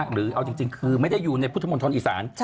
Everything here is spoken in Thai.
หรือเอาจริงคือไม่ได้อยู่ในพุทธมนตรอีสาน